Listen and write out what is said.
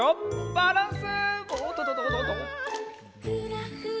バランス！